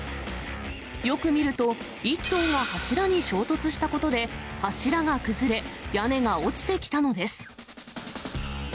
よく見ると、一頭が柱に衝突したことで、柱が崩れ、屋根が落ちてきたのです。